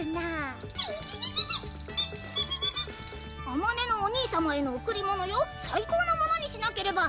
「あまねのお兄さまへのおくり物よ最高のものにしなければ！」